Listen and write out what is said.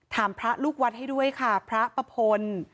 พระลูกวัดให้ด้วยค่ะพระปะพล